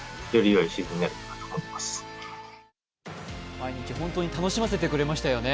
毎日本当に楽しませてくれましたよね。